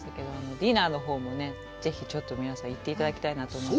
ディナーのほうも、ぜひ皆さん、行っていただきたいと思います。